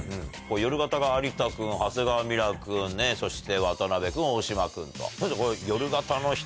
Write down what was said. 夜型が有田君長谷川ミラ君そして渡辺君大島君と。